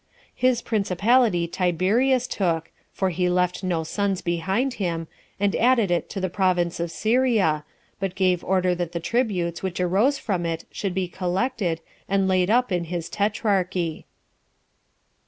His principality Tiberius took, [for he left no sons behind him,] and added it to the province of Syria, but gave order that the tributes which arose from it should be collected, and laid up in his tetrachy.